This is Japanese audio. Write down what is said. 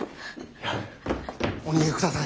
お逃げください。